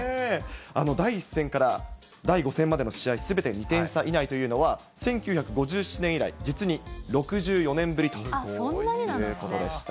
第１戦から第５戦までの試合すべて２点差以内というのは、１９５７年以来、実に６４年ぶりということでした。